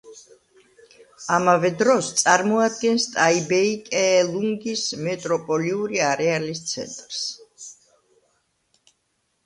ამავე დროს, წარმოადგენს ტაიბეი–კეელუნგის მეტროპოლიური არეალის ცენტრს.